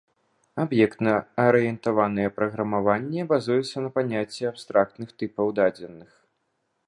Аб'ектна-арыентаванае праграмаванне базуецца на паняцці абстрактных тыпаў дадзеных.